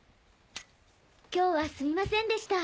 今日はすみませんでした。